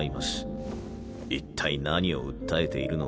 いったい何を訴えているのか。